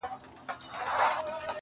که په ژړا کي مصلحت وو، خندا څه ډول وه.